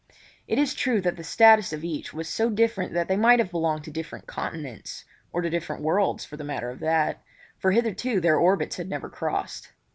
It is true that the status of each was so different that they might have belonged to different continents—or to different worlds for the matter of that—for hitherto their orbits had never crossed.